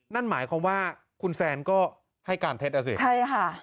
นั่นหมายความว่าคุณแซนก็ให้การเท็จอ่ะสิใช่ค่ะ